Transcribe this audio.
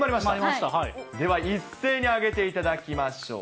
では、一斉に上げていただきましょう。